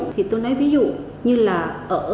thì tôi nói ví dụ như là ở